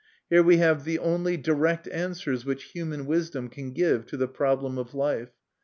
Here we have the only direct answers which human wisdom can give to the problem of life.